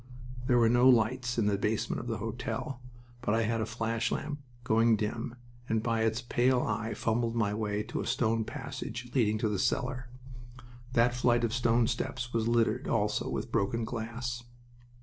There were no lights in the basement of the hotel, but I had a flash lamp, going dim, and by its pale eye fumbled my way to a stone passage leading to the cellar. That flight of stone steps was littered also with broken glass.